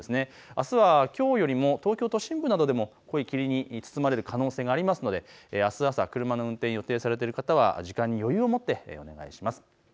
あすはきょうよりも東京都心部などでも濃い霧に包まれる可能性がありますのであす朝、車の運転予定されている方は時間の余裕を持ってお願いします。